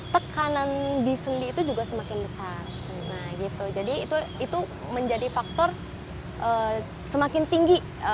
tekanan di sendi itu juga semakin besar nah gitu jadi itu itu menjadi faktor semakin tinggi